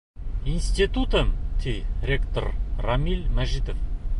Институтым! — ти ректор Рәмил Мәжитов.